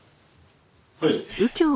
はい。